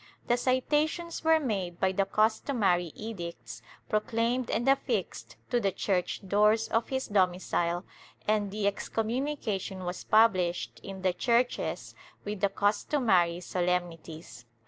The citations were made by the customary edicts, proclaimed and affixed to the church doors of his domicile, and the excom munication was published in the churches with the customary solemnities.